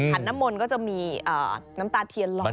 ขันน้ำมนก็จะมีน้ำตาเทียนลอยอยู่